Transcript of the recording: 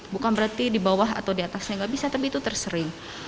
bukan berarti di bawah atau di atasnya nggak bisa tapi itu tersering